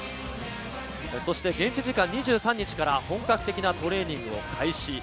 そして現地時間２３日から本格的なトレーニングを開始。